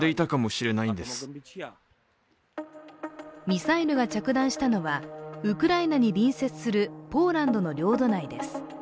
ミサイルが着弾したのはウクライナに隣接するポーランドの領土内です。